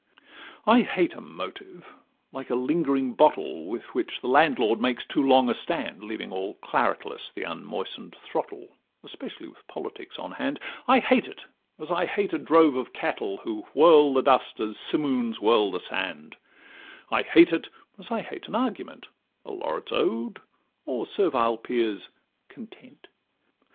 I hate a motive, like a lingering bottle Which with the landlord makes too long a stand, Leaving all claretless the unmoisten'd throttle, Especially with politics on hand; I hate it, as I hate a drove of cattle, Who whirl the dust as simooms whirl the sand; I hate it, as I hate an argument, A laureate's ode, or servile peer's 'content.